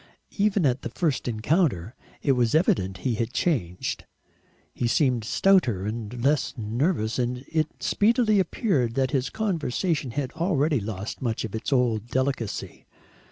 Even at the first encounter it was evident he had changed; he seemed stouter and less nervous, and it speedily appeared that his conversation had already lost much of its old delicacy.